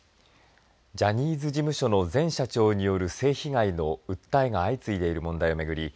ジャニーズ事務所の前社長による性被害の訴えが相次いでいる問題を巡り